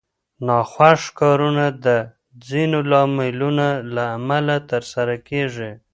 ناخوښ کارونه د ځینو لاملونو له امله ترسره کېږي.